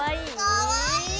かわいい！